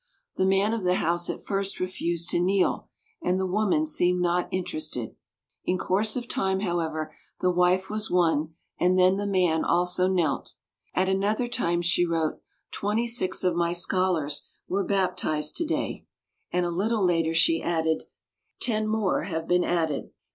The man of the house at first refused to kneel and the woman seemed not interested. In course of time, however, the wife was won and then the man also knelt. At another time she wrote, "Twenty six of my scholars were baptized to day;" NORA GORDON 45 and a little later she aid, "Ten mor have been added."